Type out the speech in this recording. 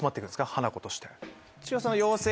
ハナコとして。